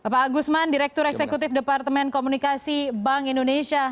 pak gusman direktur eksekutif departemen komunikasi bank indonesia